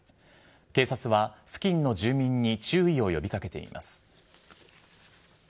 警察は付近の住民に注意を呼びかけています。